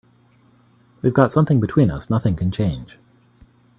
We've got something between us nothing can change.